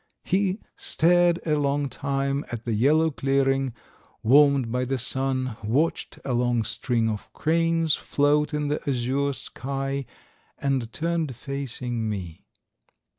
He stared a long time at the yellow clearing, warmed by the sun, watched a long string of cranes float in the azure sky, and turned facing me.